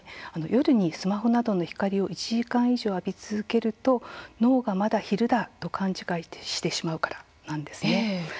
夜にスマホなどの光を１時間以上浴び続けると脳がまだ昼だと勘違いしてしまうからなんですね。